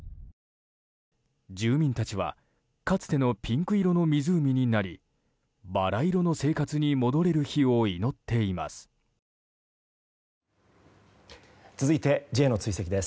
住民たちはかつてのピンク色の湖になりバラ色の生活に戻れる日を祈っています。